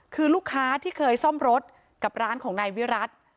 คือลูกค้าที่เคยซ่อมรถกับร้านของนายวิรัติ